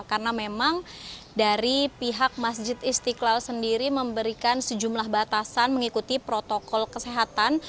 karena memang dari pihak masjid istiqlal sendiri memberikan sejumlah batasan mengikuti protokol kesehatan